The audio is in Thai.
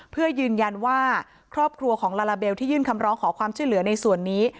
เพื่อยืนยันว่าครอบครัวของลาลาเบลที่ยื่นคำร้องขอความช่วยเหลือในส่วนนี้